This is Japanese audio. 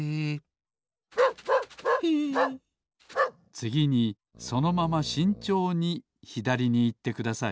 つぎにそのまましんちょうにひだりにいってください